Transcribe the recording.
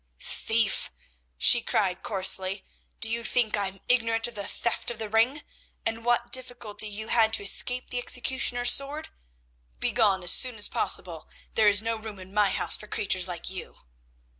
"Thief," she cried coarsely, "do you think I am ignorant of the theft of the ring, and what difficulty you had to escape the executioner's sword? Begone as soon as possible. There is no room in my house for creatures like you."